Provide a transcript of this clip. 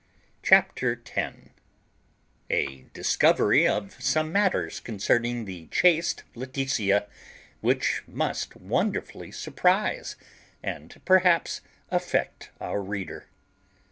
CHAPTER TEN A DISCOVERY OF SOME MATTERS CONCERNING THE CHASTE LAETITIA WHICH MUST WONDERFULLY SURPRISE, AND PERHAPS AFFECT, OUR READER.